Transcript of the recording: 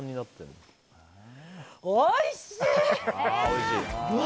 おいしい！